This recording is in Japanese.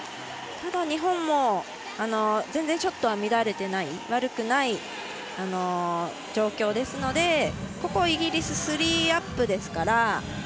ただ、日本も全然ショットは乱れてない悪くない状況ですのでここはイギリス３アップですから。